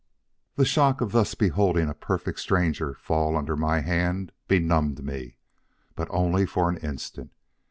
"The shock of thus beholding a perfect stranger fall under my hand benumbed me, but only for an instant.